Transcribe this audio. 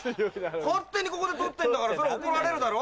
勝手にここで取ってんだから怒られるだろ？